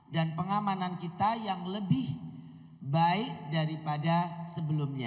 dan pengamanan kita yang lebih baik daripada sebelumnya